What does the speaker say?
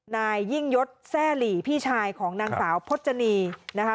นายยิ่งยศแซ่หลีพี่ชายของนางสาวพจนีนะคะ